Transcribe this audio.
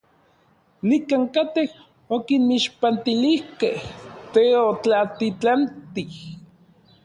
Nikankatej okinmixpantilijkej teotlatitlantij.